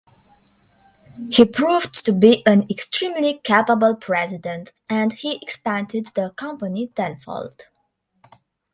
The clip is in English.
He proved to be an extremely capable president, and he expanded the company tenfold.